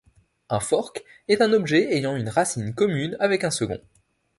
Un fork est un objet ayant une racine commune avec un second.